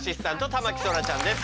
田牧そらちゃんです。